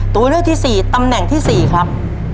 ตัวเลือกที่๔ตำแหน่งที่๔ครับ